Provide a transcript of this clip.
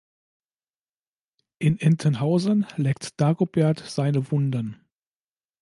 In Entenhausen leckt Dagobert seine Wunden.